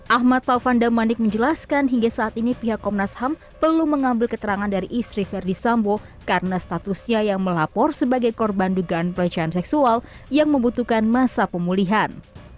ahmad taufan damanik menjelaskan hingga saat ini pihak komnas ham belum mengambil keterangan dari istri verdi sambo karena statusnya yang melapor sebagai korban dugaan pelecehan seksual yang membutuhkan masa pemulihan